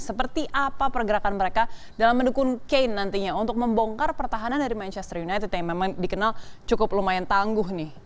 seperti apa pergerakan mereka dalam mendukung kane nantinya untuk membongkar pertahanan dari manchester united yang memang dikenal cukup lumayan tangguh nih